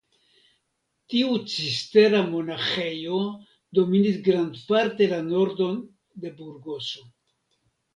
Tiu cistera monaĥejo dominis grandparte la nordon de Burgoso.